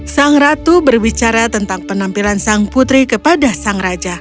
sang ratu berbicara tentang penampilan sang putri kepada sang raja